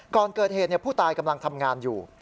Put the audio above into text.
ก่อนเกิดเหตุผู้ตายกำลังทำงานอยู่